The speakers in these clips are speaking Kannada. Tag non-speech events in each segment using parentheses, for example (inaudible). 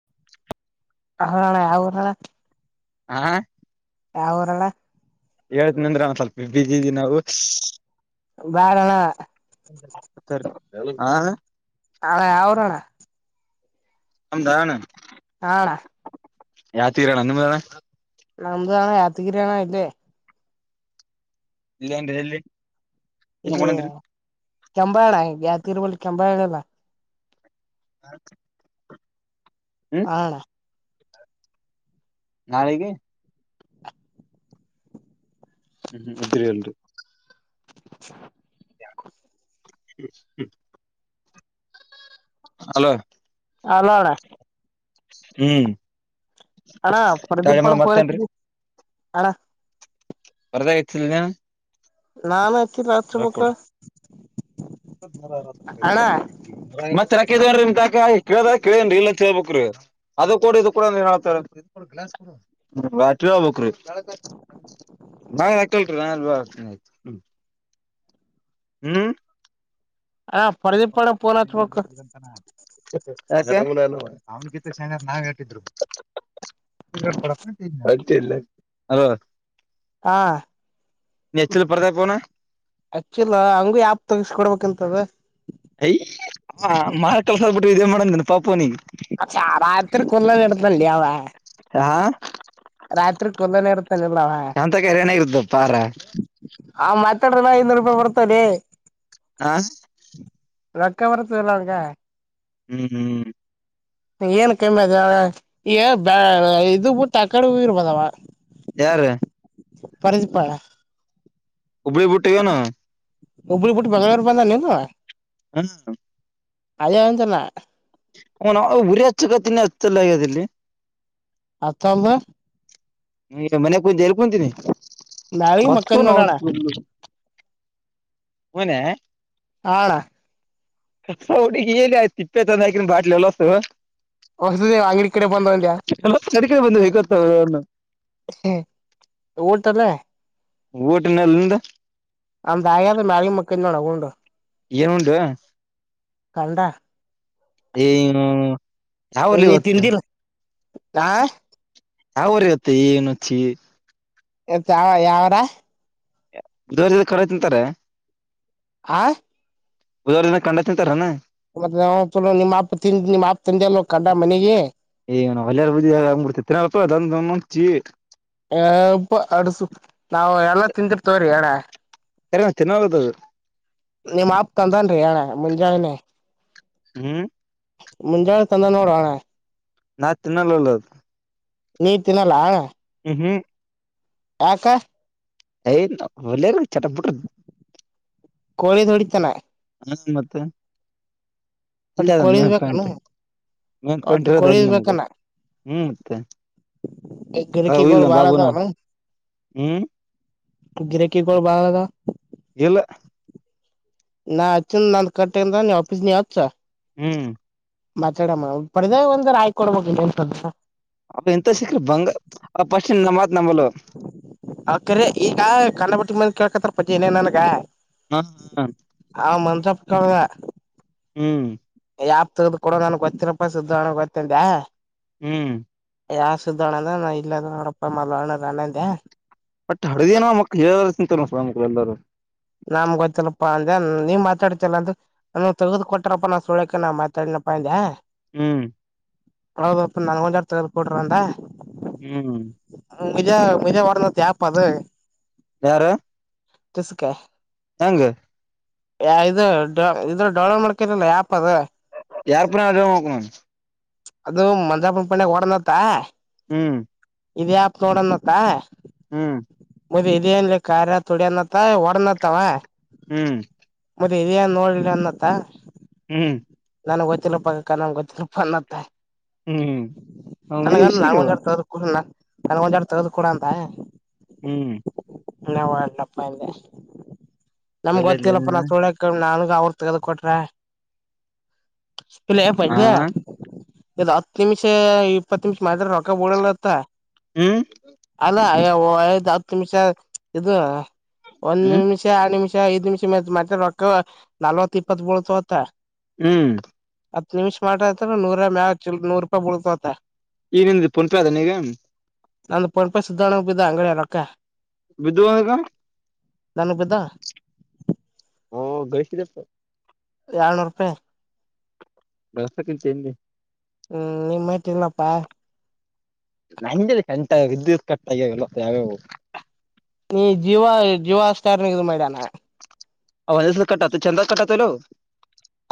(inaudible) ಹಾಅಣ ಯಾವುರಣ. ಹಾ ಯಾವುರಣ. ಹೆಳ್ತಿನ ನಿಂದ್ರ ಅವ ಸ್ವಲ್ಪ ಬಿಜಿ ಇದೀವ ನಾವು. ಬ್ಯಾಡಣ ಹ (unintelligible) ಅವ ಯಾವುರಣ. ನಮದಾಣ. ಹಾಣ ಯಾದಗಿರಣ ನಿಮ್ದಣ ನಮ್ದುಣ ಯಾದ್ಗೀರಣ ಇಲ್ಲೆ. ಇಲ್ಲೇಂದ್ರ ಎಲ್ಲಿ ಇಲ್ಲಿ ಮಾಡಂದ್ರಿ ಕೆಂಬಾಳ ಯಾದಗಿರಿಬಲ್ಲಿ ಕೆಂಬಾಳಿಲ್ಲ. ಹ ಹಾ ಣ ನಾಳಿಗಿ. ಹ್ಮ್ ಹ್ಮ್ ಉದ್ರಿ ಇಲ್ರಿ. (inaudible) ಹ್ಮ್ ಹ್ಮ್ ಹಲೋ ಹಲೋ ಅಣ ಹ್ಮ್ ಅಣ ಪರದೀಪಣ ಮತ್ತೇನ್ರಿ ಫೋನಚ್ಛಿದ ಅಣ. ಪರಾದ್ಯಾಗ ಹಚ್ಚಿಲನ್ಯಾ. ನಾನ್ ಹಚ್ಚಿಲ ಹಚ್ಚಬೇಕ. ನಿ (unintelligible) ನಾ ಈಗ ಕೇಳದಗ ಕೇಳೇನ್ರಿ ಇಲ್ಲಂತ ಹೆಳ್ಬೇಕ್ರೀ. ಅದ ಕೊಡ ಇದು ಕೊಡ ಏನ್ ಹೇಳ್ತರ ಆಟ ಹೇಳ್ಬೆಕ್ರಿ. ನಾ ಹಾಕಿಲರಿ ನಾತೀ ಆಯ್ತ (unintelligible) ಹ್ಮ್ ಆ ಪರದಿಪಣಗ ಫೋನ ಹಚ್ಚಬೇಕು. ಅವನ್ಗಿತ ಶಾಣ್ಯರು ನಾವ್ ಎಟ್ಟಿದ್ರು. ಅ ಇಲ್ಲ ಹಲೋ (unintelligible) ಹಾ ನೀ ಹಚ್ಚಿಲ ಪರದ್ಯಾಗ ಫೋನ. ಹಚ್ಚಿಲ ಅವುಂಗು ಯಾಪ್ ತಗಸ್ಕೊಡ್ಬೇಕಂತದ. ಯ ಹ ಮಾರ ಕೆಲ್ಸ್ಬಿಟ್ಟ ಇದೇ ಮಾಡಂದಿನ ಪಾಪನಿ ಅ ಚ ಆರಾಯತ್ರಿ ಕಲ್ಲ ಎಡತಲ್ಲಿಯ ಅವ ಹಾ ರಾತ್ರಿ ಕೊಲ್ಲನೆ ಇರ್ತಾನಲ್ಲವಾ ಎಂತ ಕರೆನಾಗಿರುತ್ತ ಪಾರ ಮತ್ತೆ ಕಡಲ ನಪ ಹೊರ್ತಲ್ಲೇ ಹ ರಕ್ಕವರತ ಇಲ್ಲಕ ಹ್ಮ್ ಹ್ಮ್ ಏನ್ ಕಮ್ಮಿ ಅದ ಬ ಇದು ಬಿಊಟ್ಟ ಆ ಕಡೊ ಇರ್ಬೋದವ ಯಾರು ಪರದಿಪ್ಪಳ ಉಬ್ಬಳಿ ಬುಟ್ಟಗನು ಹುಬ್ಳಿುಟ್ಟಿ ಬಾಗ ಬಂದ ನೀದು ಹ್ಣ ಅದೇ ಚಲ್ಲ ಹ ಉುರಿ ಹ ಚಕ ತಿನ್ನಿ ಹಲ್ಲ ಆಗದಲ್ಲಿ ಆ ತಲ್ ಮನೆ ಕುಂತ ಎಳ್ ಕುಂತೀನಿ ನಾಳಿಗೆ ಹೊತ್ತು ಮಕ್ಕಂದ್ ನ ನೋಡೋಣ ಮನೆ ಹಣ ಹುಡ ಏನ್ ಆಯ ತಿಪ್ಪೆ ಚಂದ ಹಾಕನ್ ಬಾಟ್ಲೆ ಎಲ್ಲಸ್ತ ಹೊಸದ ಅಂಗಡಿ ಕಡೆ ಬಂದ ಒಂದ್ಯಾ ಸರಿಕಾಯ ಬಂದ ಹೇ್ತಾವ ಅವನ್ನ ಓಟಲ್ಲ ಓಟಿನಲ್ಲಿಂದ ಅಂತ ಆಾಯಾದೆ ಮಳೆ ಮಕ್ಕ ಇನ್ನೋಣಗೊಂಡು ಏನ್ ಉಂಡು ಕಂಡ ಏನು ಯಾವಲ್ಲಿ ನೀ ಹತ್ತೆ ತಿಂದಿಲ್ಲ ಆ ಅವರ ಇತ್ತ ಏನುಚ್ಚಿ ಎತ್ಾವ ಯಾವರ ದೂರದಲ್ಲಿ ಕೊಡ ತಿಂತಾರೆ ಆ ಬುಧವಾರ ದಿನ ಕಂಡಾ ತಿಂತಾರಣ ಮತ್ತ ನಾ ನಿಮ್ಮ್ ತಿ ನಿಮ್ಮ್ ತಂದೆಲ್ಲ ಕಂಡ ಮನೆಗೆ ಏನ ಹೊಳ್ಳಾರ ಬುದದಿ ಆಗ್ಬಿಡ್ತೇ ತಿನಪ್ಪ ಅ ಮುಂಚಿ ಹಬ್ಬ ಅಡ್ಸು ನಾವವು ಎಲ್ಲ ತಂತಿರ್ತವ್ರಿ ಎಣ ಅರಿ ಚೆನ್ನಾಗತದು ನಿಮ್ಪ್ ತಂದನ್ರಿ ಣ್ಣ ಮುಂಜಾನೆನೆೇ ಹ್ಮ್ ಮುಂಜಾಳೆ ತಂದನೋ ಹಣಾ ನಾ ತಿನ್ನಲ್ಲಲದು ನೀರ್ ತಿನ್ನಲ್ಲ ಹ ಹ್ಮ ಹಕ್ಕ ಏ ಹೊಳ್ಳ ಚಟಪಟ್ಟ ಕಳ ೋಡಿ ಚಲ ಹ್ಮ ಮತ್ತೆ ಇಲ್ಲ ಒಟ್ಟು ಅದಮ್ಮ ಕೋಳಿದ್ ಬೇಕನು ಪ್ಯಾಂಟ್ ಮೇನ್ ಪಿಂಟ್ ಒಟ್ಟು ಇರೋದ ಅಲ್ಲಿ ಕೋಳಿದ್ ನಮ್ಗ ಬೇಕನ ಹ್ಮ್ ಮತ್ತೆ ಹ ಗಿರಕಿಗಳು ಬಲ ಬಾಳ ಬಬುಣ ಹ್ಮ್ ಗಿರೆಕ ಕೊ ಭಾಗಾ ಎಲ್ಲ ನಾ ಅಚ್ಚಂದ ನನ್ ಕಟ್ಟಂದ್ರ ನೀ ಆಫೀಸ್ ನೀ ಹತ್ಸ ಹ್ಮ್ ಮಾತಾಡಮ್ಮ ಪಡೆದ ಒಂದ ಆಯ್ಕೊಡ್ಬೇಕ ಅವ ಎಂತ ಸಿಕ್ಕ್ರಿ ಬಂಗ ಪಸ್ ನಮ್ಮತ್ರ ಅಕ್ರ ಈಗ ಕನ್ನ ಬಿಟ್ಟಿ ಮಂದ ಕೇಳ್ಕತ್ಾರ ಪಜ ನೇ ನನ್ಗ ಹ್ಮ ಹ್ಮ ಪ್ಕದ ಹ್ಮ್ ಯಾಪ್ ತಗ್ದ್ ಕೊಡೋ ನನನ್ ಗೊತ್ತಿನಪ್ಪ ಸಣ ಗೊತ್ತನ್ೆ ಹ್ಮ್ ಯಾವ ಸುದೋಣದ ನ ಇಲ್ಲದ ನೋಡಪ್ಪ ಮಲ್ವಣ ಅನ್ನಂದ ಂತ ಎಲ್ಲರೂ ನಮ್ ಗೊತ್ತಿಲ್ಲಪ್ಪಾ ಅಂದ ನೀವ್ ಮಾತಾಡ್ತಿಲ್ಲ ಅಂದ ನ ತಗ್ದ್ ಕೊಟ್ಟಾರಪ್ಪ ನಾ ಸುಳ್ಯಕ ನಾ ಮಾತಾಡ ಹಂದಾ ಹ್ಮ್ ಹಪ ನಾ ಹಜಾರ್ ತಗ ಕೊಟ್ರಂತ ಹ್ಮ್ ಮಿಜಾ ಮಿಜಾ ಒರ್ದ ತೇಪ ಅದು ಯಾರು ತಸ ಕಾಯ ಹೆಂಗ ಯ ಇದು ಇದ್ರ ಡೌನ್ಲೋಡ್ ಮಾಡ್ಕರಲ್ಲ ಆಪ್ ಯಾರು ಪುನ್ನ ಅ ಹಕಣಾನ ಅದು ಮಂಜಾಪನ ಪಂಡೆಗೆ ಹೊಡನ್ತ್ತಾ ಹ್ಮ್ ಇದ್ಯಾಾಪ್ ನೋಡಣತ್ತ ಹ್ಮ್ ಮದ್ ಇದೇಏನ್ ಖಾರ ತುಡಿ ಅನ್ತ್ತ ಒಡನತ್ತಾವ ಹ್ಮ್ ಮತ್ತೆ ಇದ ಏನ್ ನೋಡ್ಲಿ ಅಂದತ್ತ ಹ್ಮ್ ನನಗೆ ಗೊತ್ತಿರಪ್ಪಕ್ಕ ನಮಗೆ ಗೊತ್ತಿಿಲ್ಲಪ್ಪ ಅನ್ನತ್ತ ಹ್ಮ್ ಹ ಅ ನಷ ವಿಷರು ನನ್ ಒಂದಡ್ ತಗದು ಕೂಡ ಹ್ಮ್ ಅಂತ್ಣಪ್ಪೆ ನಮ್ಗ್ ಒಳ್ಳೇದ್ ಗೊತ್ತಿಲ್ಲಪ್ಪ ನಾ ಸುಳ್ಯಕ ನಾನಗ ಅವರು ತಗದ ಕೊಟ್ರೆ ಇಲ್ಲ ಹ ಪಂಜೆ ಇದು್ ಹತ್ ನಿಮಿಷ ಇಪ್ಪತ್ತು ನಿಮಿಷ ಮಾ ರೊಕ್ಕ ಬಳಲ್ಲತ್ತ ಹ್ಮ್ ಯ ಐದು್ ಹತ್ತು ನಿಮಿಷ ಇದು ಒಂದ್ ಹ್ಮ್ ನಿಮಿಷ ಆರಡು ನಿಮಿಷ ಐದು್ ನಿಮಿಷ ಮಾಡ ರಕ ನಲ್ ತಿಪ್ಪತ್ ಬೋಳತತ ಹ್ಮ್ ಹತ್ ನಿಮಿಷ್ ಮಾಡತ ನೂೂಾಯ ಮ ಚ ನೂರು ರೂಪಾಯಿ ಬಳ್ತವತ ನಂದು ಪುಂಪ ಅದ ನೀಗ ನಂದು ಪಣಪ ಸಧಾರಣಂಗ ಬಿದ್ದ ಅಂಗಡಿಯ ರೊಕ್ಕ ವಿಧವಗ ನಾನು ಬಿದ್ದ ಹ ಗೈಸಿದೆಪ್ಪ ಎಳ್ನೂರು ರೂಪಾಯಿ ಬಳಸಕ್ಕಿಂತ ನ್ಿ ಹ್ಮ್ ನಿ ಮಾಡಟ ಇಲ್ಲಪ್ಪಾ ನಂಜಲ್ಲಿ ಕಂಟ ವಿದ್ಯುತ್ ಕಟ್ಾಗ್ಯಲ್ವ ಯಾವ್ಯ ನೀ ಜೀಿವ ಜೀಿವ ಸ್ಟಾರ್ನ ಮಾಡಡಾನ ಒಂದಸ ಕಟ್ಟತ ಚಂದಾಗ ಕಟ್ಟತ ಇಲ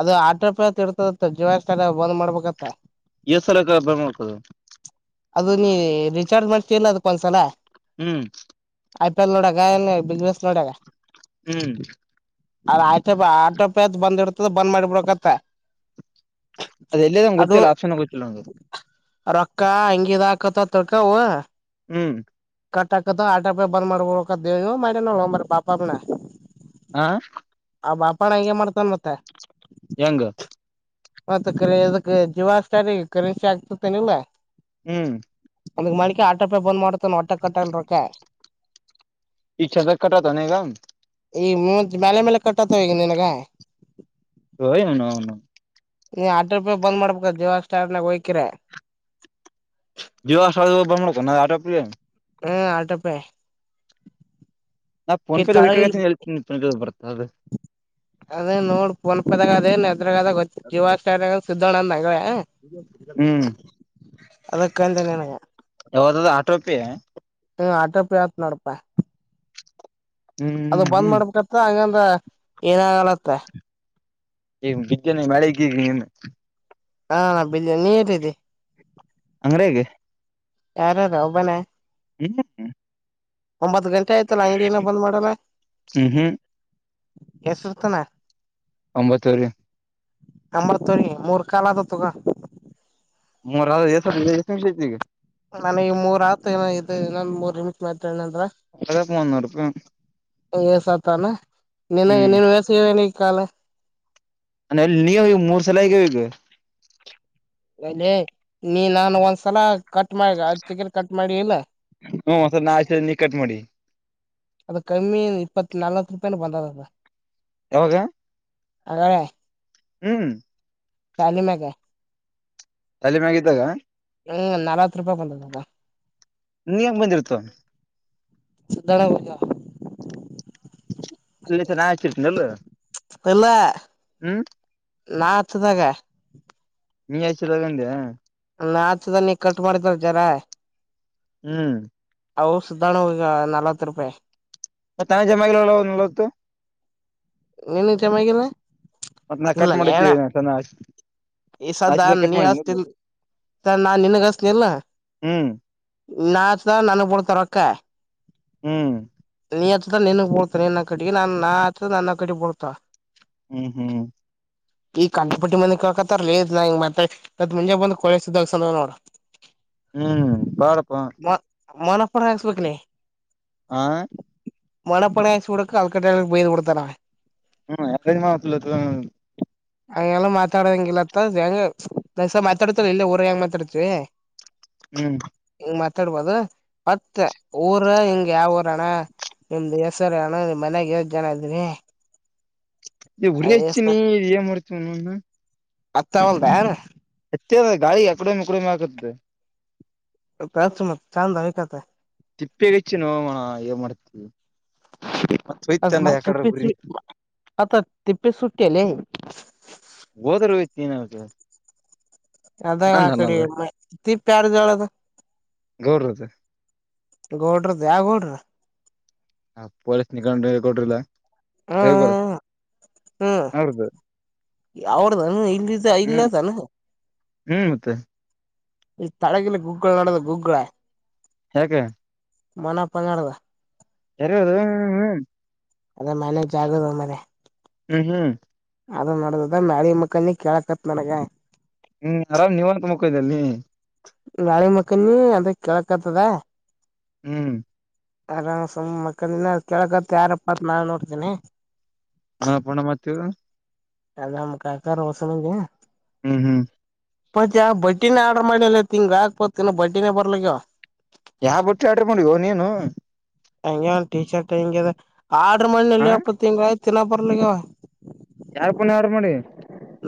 ಅದು ಆಟ ರೂಪಾಯಿ ಇರ್ತದತ್ತ ಜೀವನಸ್ಥಳ ಬಂದ್ ಮಾಡ್ಬೇಕತ್ತ ಎಷ್ಟು ಸಾಲ ಬರ್ಬೇಕು ಅದು ಅದು ನೀ ರಿಚಾರ್ಜ್ ಮಾಡ್ತೀಲ್ಲ ಅದಕ್ಕೊಂದ್ಸಲ ಹ್ಮ್ ಐ ಪಿ ಎಲ್ ನೋಡಗ ಬಿಗ್ ಬಾಸ್ ನೋಡಗ ಹ್ಮ್ ಅದ ಆಟೋ ಪೆ ಆಟೋ ಪೆಅತ್ ಬಂದ್ ಇಡ್ತದ ಬಂದ್ ಮಾಡಿಬಿಡಕತ್ತ ಅದ ಎಲ್ಲಿದಂಗೆ ಅದು ಗೊತ್ತಿಲ್ಲ ಆಪ್ಷನ್ ಗೊತ್ತಿಲ್ಲ ನಂಗಗೆ ರೊಕ್ಕ ಅಂಗಿದ ಹಾಕತ ತೊಡ್ಕವು ಹ್ಮ್ ಕಟ್ಟಾಹಾಕ್ತಾವ ಆಟೋ ಪೆ ಬಂದ ಮಾದಬಿಡಬೇಕು ಅಂತ ಹೇಳಿದ್ವು ಮಾಡೇನ ಪಾ ಅದಣ್ಣ ಹಾ ಆ ಬಾಪಾಡ್ ಹಾಗೆ ಮಾಡ್ತನ್ ಮತ್ತೆ ಹೆಂಗ ಮತ್ತ ಕರಿ ಅದಕ್ಕೆ ಜಿಯೋ ಸ್ಟಾರ್ಟ್ ಗೇ ಕರೆನ್ಸಿ ಆಗ್ತತ್ತನಿಲ್ಲಾ ಹ್ಮ್ ಹಾಗೆ ಮಾಡ್ಕೋ ಆಟೋ ಪೇ ಬಂದ್ ಮಾಡ್ತೆನ ಮತ್ತೆ ಕಟ್ ಆಗಲ್ಲ ರೊಕ್ಕ ಈಗ ಕಟ್ ಅದೇನ ಈಗ ಈಗ ಮೂತ್ ಮಲೆ ಮೇಲೆ ಕಟ್ಟತ್ತವ ಈಗ ನಿನಗ ನೋಡಿಲ್ಲ ನಾನು ನೀ ಆಟೂ ಪೇ ಬಂದ್ ಮಾಡ್ಬೇಕ ಜಿಯೋ ಸ್ಟಾರ್ ಗೇ ಹೋಗಿ ಜಿಯೋ ಸ್ಟಾರ್ ದಾಗ ಅಯ್ತೆನೋ ಆಟೋ ಪೆ ಹ್ಮ ಆಟೋ ಪೆ ನಾ ಫೋನ್ ಪೆದು ಹೇಳ್ತಿದೀನಿ ಬರೀತಾನಾಳ್ರಿ ಅದೇ ನೋಡ್ ಪೋನ್ಪದಾಗ ಅದೇನ್ ಅದ್ರದಾಗ ಗೊತ್ತಿಲ್ಕ್ ಜಿಯೋ ಸ್ಟಾರ್ ಸಿಗದೊಂದು ನನಗುವೇ ಹ್ಮ್ ಅದಕ್ಕಂದೆ ನಿನಗ ಯಾವುದು ಅದು ಆಟೋ ಪೇ ಹ ಆಟೋ ಪೇ ಆಯ್ತ್ ನೋಡಪ್ಪ ಹ್ಮ್ ಅದು ಬಂದ್ ಹ್ಮ್ ಮಾಡಬೇಕಂತ ಅಂಗಾದ್ರೆ ಏನಾಗಲ್ಲ ಅಂತೆ ಈಗ ಮಾಡಬೇಕು ನೀನು ಹಾ ನೀನು ಎಲ್ಲಿದೆ ಅಂಗಡಿಯಗ್ ಯಾರ್ಯಾರು ಒಬ್ಬನೆ ಎಲ್ಲ ಒಂಬತ್ ಗಂಟೆ ಆಯ್ತಲ್ಲ ಅಂಗಡಿನ ಇನ್ನ ಬಂದ್ ಮಾಡಿಲ್ಲ ಹ್ಮ್ ಹ್ಮ್ ಎಷ್ಟೋತ್ತುತಾನಾ ಒಂಬತ್ತುವರೆ ಒಂಬತ್ತುವರೆ ಮೂರ್ ಕಾಲ ಅದೇ ತಕೊ ಮೂರು ಆದ್ರೆ ಎಷ್ಟು ಆಯ್ತೆ ಈಗ ನನ ಈಗ ಮೂರ್ ಆತ ಏನೋ ಇದೆ ಇನ್ನ್ ಮೂರ್ ನಿಮಿಷ ಮಾತಾಡನಂದ್ರ (unintelligible) ಹ್ಮ್ ನಿನಗೆ ಎಷ್ಟು ಇದೆ ಇನ್ನ ಕಾಲ್ ಅ ನಿನ್ ಮೂರ್ ಸಾಲ ಆಗಿದೆ ಈಗ ಅ ನೀ ನಾನು ಒಂದ್ಸಲ ಕಟ್ ಮಾಡಿ ಚಿಗಿರಿ ಕಟ್ ಮಾಡಿ ಇಲ್ಲ ಹ್ಮ ಒಂದ್ಸಲ ನಾ ಹಚ್ಚಿದ ನೀ ಕಟ್ ಮಾಡಿ ಅದ ಕಮ್ಮಿ ಇಪ್ಪತ್ ನಾಲ್ವತ್ ರೂಪಾಯೀನೇ ಬಂದ ಈಗ ಯಾವಾಗ (unintelligible) ಹ್ಮ್ ತಾಲಿಮೆಗೆ ತಲೆಮ್ಯಾಗ ಇದ್ದಾಗ ಹ್ಮ್ ನಲತ್ತು ರೂಪಾಯ್ ಬಂದದ ಅದು ನೀ ಹೆಂಗ್ ಬಂದಿರ್ತವ ಸಧಳ. (unintelligible) ಅಲ್ಲ. (unintelligible) ಅಲ್ಲ ನಾ ಹಚ್ಚುದಾಗ. ನೀ ಹಚ್ಚುದಾಗ ಅಂದ. ನ ಹಚ್ಚುದಲ್ ನೀ ಕಟ್ ಮಾಡಿದಲ್. (unintelligible) ಹ್ಮ್. ಅವು ಸಿದ್ದಣ್ಣಗ್ ಹೋಗ್ಯಾವ ನಲ್ವತ್ ರೂಪಾಯಿ. ಮತ್ ನಾ (unintelligible) ಅವು ನಲ್ವತ್ತು. ನಿನಗ್ ಜಮ ಆಗಿಲ್ಲ ಅದ್ನ ಕಟ್ ಇಲ್ಲಲ್ಲ ಮಾಡ್ ಹೇಳ ನಾ ಹಚುತ್ನಿ. ಈ ಸಾದಾ ನೀ ಹಚ್ತಿಲ್ ನಾ ನಿನುಗ್ ಅಚ್ಚುತ್ ನಿಲ್ಲ. ಹ್ಮ್ ನಾ ಹಚ್ದಾಗ್ ನಾನೀಗ್ ಬುಳ್ತವ್ ರೊಕ್ಕ. ಹ್ಮ್. ನೀ ಹಚ್ದಾಗ್ ನಿನಿಗ್ ಬಳ್ತವ್ ನಿನ್ ಅಕೌಂಟ್ಗೆ ನಾ ಹಚ್ದಾಗ್ ನನ್ ಅಕೌಂಟ್ಟಿಗ್ ಬಿಳ್ತಾವ. ಹ್ಮ್ ಹ್ಮ್. ಈ (unintelligible) ಹಕತ್ತರ್ ಲೇ ಇದ್ನ ಮತ್ತೆ ಮುಂಜನ್ ಬಂದ್ ಕೊಸಿ ನೋಡು. ಹ್ಮ್ ಬಾಡಪಾ. ಅಮ್ಮನಪುಗ್ ನೆಂಸ್ಬೇಕ್ಲೆ. ಹಾ. ಮೊಣ ಪಣೆ ಸೂಡುಕ ಆಲ್ಕಟ್ಟಕ್ಕೆ ಬೈದ್ ಬುಡ್ತಾನ ಹ್ಮ್ ಯಾರ ಮಾತ್ಲ್ಲ ಹಗೆಲ್ಲ ಮಾತಾಡಂಗಿಲ್ಲತ್ತ ಹಂಗೆ ಮಾತಾಡ್ತ ಇಲ್ಲ ಊರ ಹೆಂಗ ಮಾತಾಡ್ತಿವಿ. ಹ್ಮ್. ಮಾತಾಡ್ಬಾವ್ದು ಮತ್ತ ಊರ ಹಿಂಗ ಯಾವ ಊರಣ್ಣ. ನಿಮ್ದು ಹೆಸರೇನು ನಿಮ್ ಮನ್ಯಾಗ ಎಷ್ಟ್ ಜನ ಅದರಿ. ಇ ಉರೆಗಚ್ಚಿನಿ ಏನ್ ಮಾಡ್ತಿ ಅಥವಾಲ್ದಾ ಅದು. ಏತೇವಾ ಗಾಳಿಗ್ ಅಕಡೆ ಒಂದ್ ಈಕಡೆ ಹಾಗಕತ್ತದೆ. ಸ ಮತ್ ಚಾಂದ್ ತಿಪ್ಪೇಗಚ್ಚಿ ನೋ ಅಣ್ಣ ಏನ್ ಮಾಡ್ತಿ. ಅದ್ ಮತ್ ತಿಪ್ಪೆ ಗುರಿ ಅದ್ ತಿಪ್ಪೆ ಸಟ್ಟಿಲೇ. ಹೋದ್ರೆ ಹೋಗೇತ್ ಅದ ಆಕಡೆ ತಿಪ್ಯಾರದು ಹೆಳದು. ಗೌಡ್ರದ ಗೌಡ್ರದ ಯವ್ ಗೋಡ್ರು. ಹ ಪೊಲೀಸ್ ನಿ ಕೊಂಡು ಕೊಡ್ರಿಲ್ಲ. ಹ್ಮ್ (unintelligible) ಅವ್ರದೋ ಇಲಿದು ಇಲ್ಲಿದಲ್ಲದು. ಹ್ಮ್ ಮತ್ತೆ. ಈ ತಳಗಿಲ್ಲ ಗೂಗ್ಗಳು ನೋಡದು ಗೂಗ. ಯಾಕೆ. ಮೊನ ಪಂಗಡದ ಎರಿಗೋ ಹ್ಮ್ ಹ್ಮ್. ಅದೇ ಮನೆ ಜಗುಲುದ್ ಮನೆ. ಹ್ಮ್ ಹ್ಮ್. ಅದು ನಡ್ದುದ ನಾಳಿ ಮುಕ್ಕನಿ ಕೇಳಗ್ ತರ್ತ್ ನಾನೀಗ. ಹ್ಮ್ ಅರಾಮ್ ನೀವಂತ ಮಾಕೊಂದಿ ಯಲ್ ನೀ. ಗಾಳಿ ಮಕ್ಕನಿ ಅದು ಕೇಳಕತದ. ಹ್ಮ್. ಆರಾಮ್ ಸುಮ್ ಮಕ್ಕಂದಿನ ಕೆಳಗತ್ ಯಾರಪ್ಪ ಅತ್ ನಾ ನೋಡ್ತೇನಿ. (unintelligible) ಅದ ಕಾಕ್ಕಾರು. (unintelligible) ಹ್ಮ್ ಹ್ಮ್ ಮತ್ತ ಯಾವ ಬಟಿನೇ ಆರ್ಡರ್ ಮಾಡ್ಿಲ್ಲಲತ್ ಹಿಂಗ ಆಾಕ್ಪತ್ತನ್ನು ಬಟಿನೇ ಬರ್ಲಿಕ್ಕ ಯಾವ ಬಟ್ಟಿ ಆಡ್ರ ಮಾಡಡಿವೋ ನೀನು ಹಂಗಗೆನ್ ಟೀ ಶರ್ಟ್ ಹೆಿಂಗ ಆರ್ಡ್ರ್ ಹ ಮಾಡನಲ್ಲಿ ಎಪ್ಪತ್ತು ತಿಂಗಯ್ ತಿನ್ನ ಬರ್ಲಿಗೆ ಯಾರ್ ಪುನ ಆಡ್ ಮಾಡಿ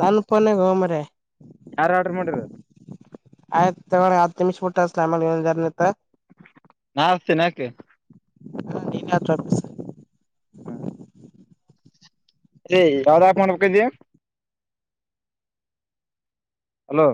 ನಾನ ಫೋನ್ ನಾಗ್ ಮಾರಾಯ ಯಾರು ಆರ್ಡರ್ ಮಾಡಿರ ಆಯ ತ ಆಮಿ ಸ್ಫೋಟಲ ಆಮಲೆ ನಟ ನಾವ ತಿನಾಕ್ ಹ ನೀ ಯವ ಚೋಪಿಸ್ ಹ್ಮ ಯಾವ್ದ ಮಾಡ್ಬೇಕ ಇದ ಹಲೋ